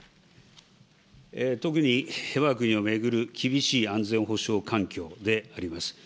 特にわが国を巡る厳しい安全保障環境であります。